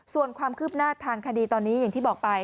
ส่วนความคืบหน้าทางคดีตอนนี้อย่างที่บอกไป